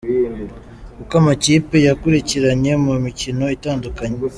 Uko amakipe yakurikiranye mu mikino itandukanye:.